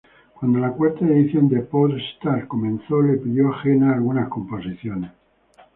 Cuando la cuarta edición de Popstars comenzó, le pidió a Jena algunas composiciones.